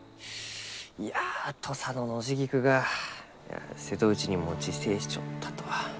いや土佐のノジギクが瀬戸内にも自生しちょったとは。